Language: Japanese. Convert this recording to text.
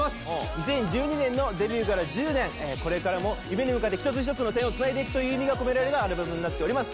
２０１２年のデビューから１０年これからも夢に向かってひとつひとつの点をつないでいくという意味が込められたアルバムになっております